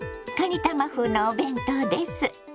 かにたま風のお弁当です。